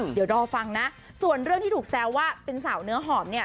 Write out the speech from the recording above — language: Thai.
เดี๋ยวรอฟังนะส่วนเรื่องที่ถูกแซวว่าเป็นสาวเนื้อหอมเนี่ย